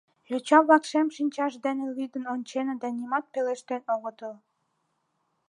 Йоча-влак шем шинчашт дене лӱдын онченыт да нимат пелештен огытыл.